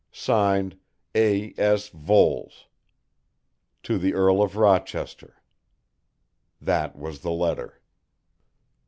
Signed. A. S. VOLES.'" To The Earl of Rochester. That was the letter.